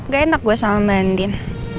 gak enak gue sama mba andien